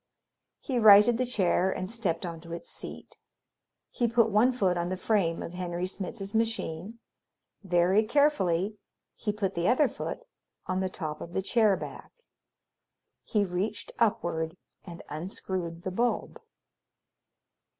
He righted the chair and stepped onto its seat. He put one foot on the frame of Henry Smitz's machine; very carefully he put the other foot on the top of the chair back. He reached upward and unscrewed the bulb.